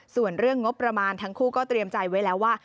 ส่วนเรื่องงบประมาณทั้งคู่ก็เตรียมใจไว้แล้วว่า